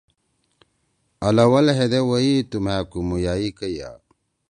آلول ہیدے ووئی تُو مھأ کُومُیائی کئیا